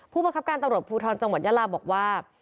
ผู้บังคับการตำรวจภูทรจังหวัดยาลาบอกว่า